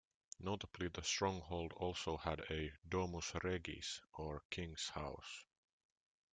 Notably, the stronghold also had a "domus regis" or king's house.